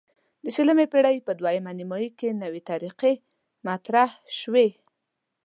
د شلمې پیړۍ په دویمه نیمایي کې نوې طریقې مطرح شوې.